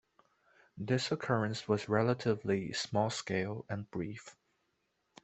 This occurrence was relatively small-scale and brief.